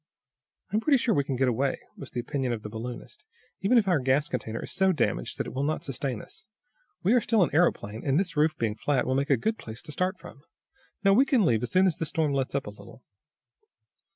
"I am pretty sure we can get away," was the opinion of the balloonist. "Even if our gas container is so damaged that it will not sustain us, we are still an aeroplane, and this roof being flat will make a good place to start from. No, we can leave as soon as this storm lets up a little."